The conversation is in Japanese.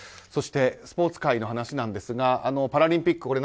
そして、スポーツ界の話ですがパラリンピック